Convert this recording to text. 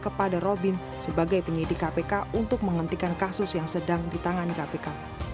kepada robin sebagai penyidik kpk untuk menghentikan kasus yang sedang ditangani kpk